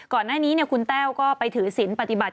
ก่อนหน้านี้คุณแต้วก็ไปถือศิลป์ปฏิบัติ